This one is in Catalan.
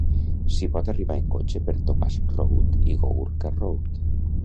S'hi pot arribar en cotxe per Topaz Road i Gourka Road.